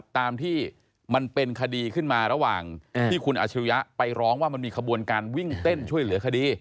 ตามที่มันเป็นคดีขึ้นมาระหว่างที่คุณอาชิริยะไปร้องว่ามันมีขบวนการวิ่งเต้นช่วยเหลือคดี